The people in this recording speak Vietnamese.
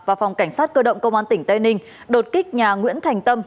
và phòng cảnh sát cơ động công an tỉnh tây ninh đột kích nhà nguyễn thành tâm